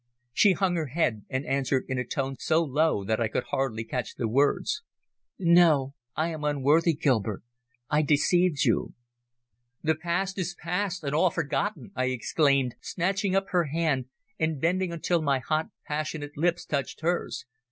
She hung her head, and answered in a tone so low that I could hardly catch the words "No, I am unworthy, Gilbert. I deceived you." "The past is past, and all forgotten," I exclaimed, snatching up her hand, and bending until my hot, passionate lips touched hers.